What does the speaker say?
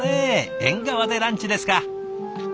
縁側でランチですか。